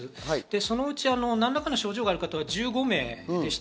そのうち何らかの症状がある方が１５名でした。